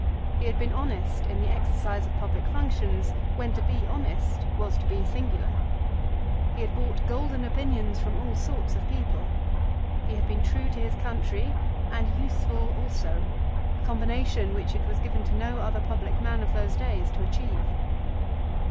He had been honest in the exercise of public functions when to be honest was to be singular. He had bought golden opinions from all sorts of people. He had been true to his country, and useful also, a combination which it was given to no other public man of those days to achieve.